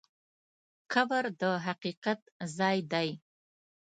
قبر د حقیقت ځای دی.